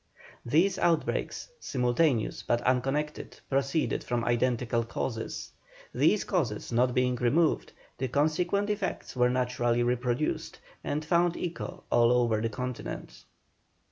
These outbreaks, simultaneous but unconnected, proceeded from identical causes; these causes not being removed, the consequent effects were naturally reproduced, and found echo all over the Continent.